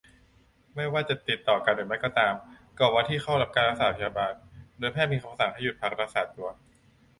ไม่ว่าจะติดต่อกันหรือไม่ก็ตาม ก่อนวันที่เข้ารับการรักษาพยาบาล โดยแพทย์มีคำสั่งให้หยุดพักรักษาตัว